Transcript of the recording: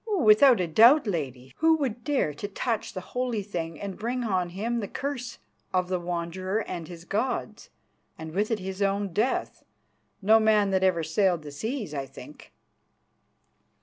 "Without doubt, Lady. Who would dare to touch the holy thing and bring on him the curse of the Wanderer and his gods, and with it his own death? No man that ever sailed the seas, I think."